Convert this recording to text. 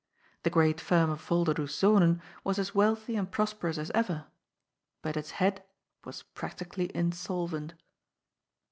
The great firm of Yolderdoes Zonen was as wealthy and prosperous as ever, but its head was practi cally insolvent.